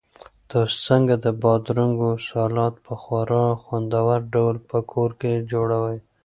تاسو څنګه د بادرنګو سالاډ په خورا خوندور ډول په کور کې جوړوئ؟